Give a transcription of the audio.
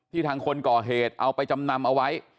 ทางคนก่อเหตุเอาไปจำนำเอาไว้